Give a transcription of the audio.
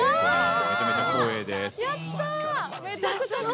めちゃめちゃ光栄です。